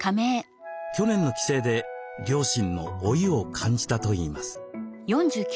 去年の帰省で両親の老いを感じたといいます。